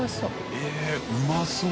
えっうまそう。